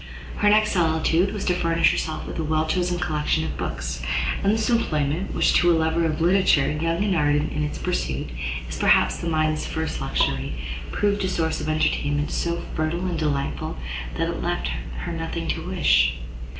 Her next solicitude was to furnish herself with a well chosen collection of books: and this employment, which to a lover of literature, young and ardent in its pursuit, is perhaps the mind's first luxury, proved a source of entertainment so fertile and delightful that it left her nothing to wish.